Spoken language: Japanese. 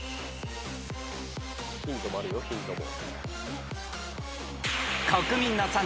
ヒントもあるよヒントも。